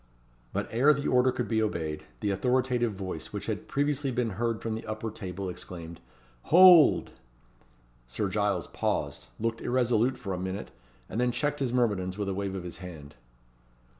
But ere the order could be obeyed, the authoritative voice which had previously been heard from the upper table exclaimed "Hold!" Sir Giles paused; looked irresolute for a minute; and then checked his myrmidons with a wave of the hand.